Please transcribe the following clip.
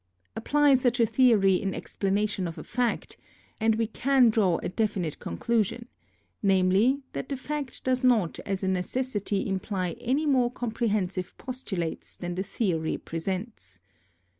Apply such a theory in explanation of a fact, and we can draw a definite conclusion — namely, that the fact does not as a necessity imply any more comprehensive postulates than the theory presents.